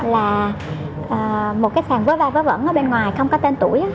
là một cái sàn vớ vẩn vớ vẩn ở bên ngoài không có tên tuổi á